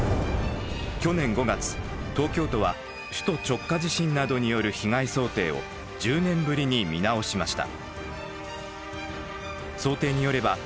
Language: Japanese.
去年５月東京都は首都直下地震などによる被害想定を１０年ぶりに見直しました。